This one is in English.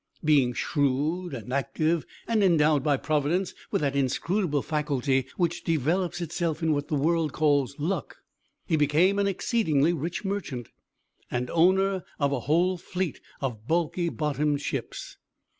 Being shrewd and active, and endowed by Providence with that inscrutable faculty which develops itself in what the world calls luck, he became an exceedingly rich merchant, and owner of a whole fleet of bulky bottomed ships.